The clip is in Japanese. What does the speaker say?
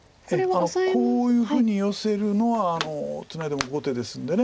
こういうふうにヨセるのはツナいでも後手ですので。